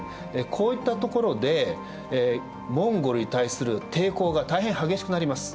こういった所でモンゴルに対する抵抗が大変激しくなります。